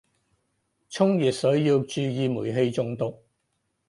沖熱水要注意煤氣中毒